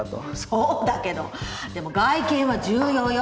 そうだけどでも外見は重要よ。